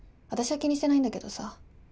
私は気にしてないんだけどさ。